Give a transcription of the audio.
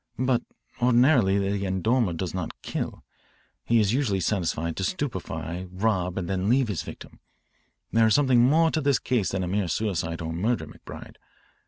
But ordinarily the endormeur does not kill. He is usually satisfied to stupefy, rob, and then leave his victim. There is something more to this case than a mere suicide or murder, McBride.